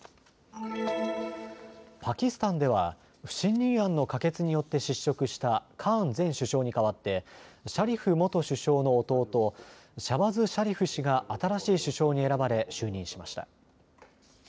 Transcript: パキスタンでは不信任案の可決によって失職したカーン前首相に代わってシャリフ元首相の弟、シャバズ・シャリフ氏が新しい首相に選ばれ就任しました。